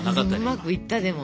うまくいったでも。